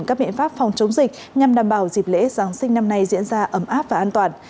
các biện pháp phòng chống dịch nhằm đảm bảo dịp lễ giáng sinh năm nay diễn ra ấm áp và an toàn